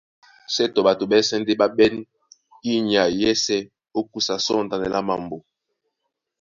Sětɔ ɓato ɓásɛ̄ ndé ɓá ɓɛ́n yí nyay yɛ́sē ó kusa sɔ̂ŋtanɛ lá mambo.